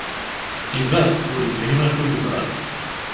Ibat, ur yefhim acu yeḍran.